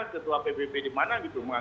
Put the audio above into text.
ketua pbb di mana gitu